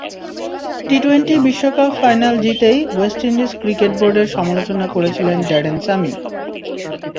T twenty বিশ্বকাপ final জিতেই West Indies cricket বোর্ডের সমালোচনা করেছিলেন ড্যারেন স্যামি।